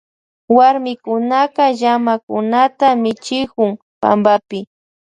Warmikunaka llamakunata michikun pampapi.